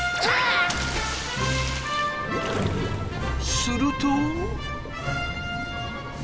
すると。